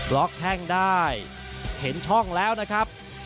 ล็อกแท่งได้เห็นช่องแล้วนะครับ